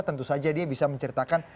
tentu saja dia bisa menceritakan